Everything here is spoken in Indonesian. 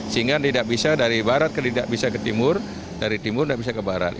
sehingga tidak bisa dari barat ke timur dari timur tidak bisa ke barat